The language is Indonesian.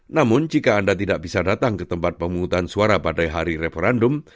namun jika anda tidak bisa datang ke tempat pemungutan suara pada hari referendum